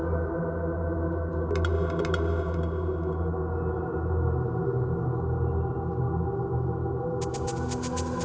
dalam per tiny policy